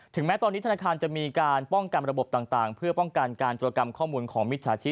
แม้ตอนนี้ธนาคารจะมีการป้องกันระบบต่างเพื่อป้องกันการจรกรรมข้อมูลของมิจฉาชีพ